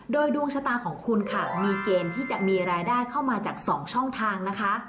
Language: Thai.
โดยดวงชะตาของคุณค่ะมีเกณฑ์ที่จะมีรายได้เข้ามาจาก๒ช่องทางนะคะ